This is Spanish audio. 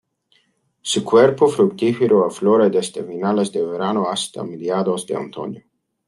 Su cuerpo fructífero aflora desde finales de verano hasta mediados de otoño.